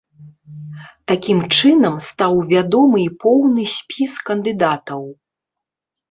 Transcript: Такім чынам стаў вядомы і поўны спіс кандыдатаў.